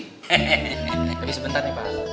tapi sebentar nih pak